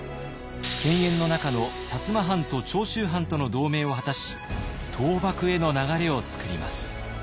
犬猿の仲の摩藩と長州藩との同盟を果たし倒幕への流れをつくります。